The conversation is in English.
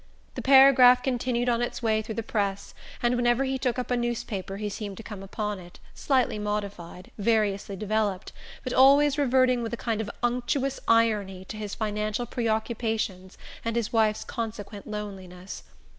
The paragraph continued on its way through the press, and whenever he took up a newspaper he seemed to come upon it, slightly modified, variously developed, but always reverting with a kind of unctuous irony to his financial preoccupations and his wife's consequent loneliness.